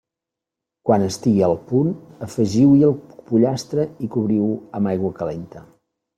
Quan estigui al punt, afegiu-hi el pollastre i cobriu-ho amb aigua calenta.